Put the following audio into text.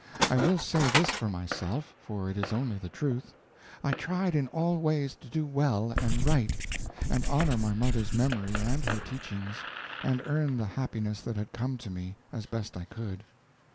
I will say this for myself, for it is only the truth: I tried in all ways to do well and right, and honor my mother's memory and her teachings, and earn the happiness that had come to me, as best I could.